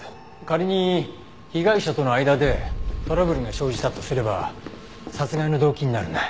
仮に被害者との間でトラブルが生じたとすれば殺害の動機になるね。